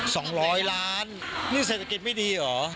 สองร้อยล้านนี่เศรษฐกิจไม่ดีเหรอ